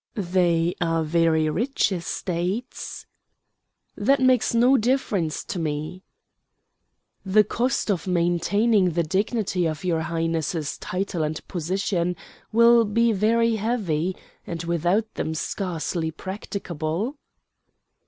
"They are very rich estates." "That makes no difference to me." "The cost of maintaining the dignity of your Highness's title and position will be very heavy, and without them scarcely practicable."